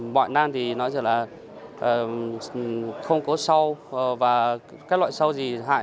bọn năng thì nói chung là không có sâu và các loài sâu gì hại